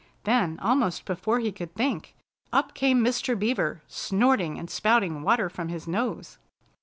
Then almost before he could think, up came Mr. Beaver, snorting and spouting water from his nose.